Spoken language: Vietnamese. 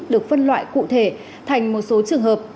được phân loại cụ thể thành một số trường hợp